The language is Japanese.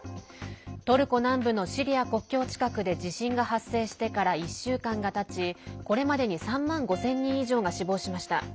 トルコ南部のシリア国境近くで地震が発生してから１週間がたちこれまでに３万５０００人以上が死亡しました。